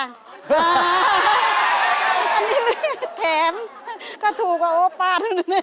อันนี้เลยแถมก็ถูกว่าโอ๊ยป้าทุก